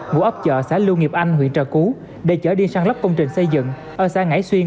vụ ấp chợ xã lưu nghiệp anh huyện trà cú để chở đi sang lớp công trình xây dựng ở xã ngãi xuyên